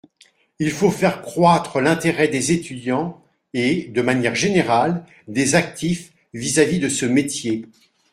Il faut faire croître l’intérêt des étudiants et, de manière générale, des actifs vis-à-vis de ce métier.